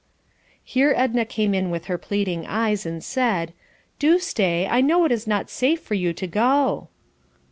Here Edna came in with her pleading eyes and, "Do stay; I know it is not safe for you to go."